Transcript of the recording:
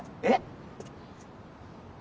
えっ！？